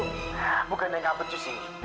nah bukan yang nggak becus ini